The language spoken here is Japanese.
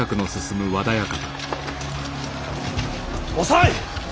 遅い！